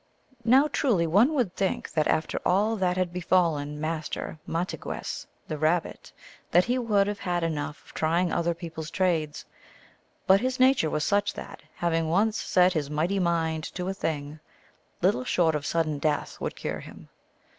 Now, truly, one would think that after all that had befallen Master Mahtigwess, the Rabbit, that he would have had enough of trying other people s trades ; but his nature was such that, having once set his mighty mind to a thing, little short of sudden death would cure him.